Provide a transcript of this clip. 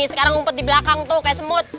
sekarang umpet di belakang tuh kayak semut